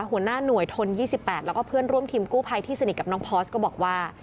หัวหน้าหน่วยทน๒๘แล้วก็เพื่อนร่วมทีมกู้ภัยที่สนิทกับน้องพอร์สก็บอกว่า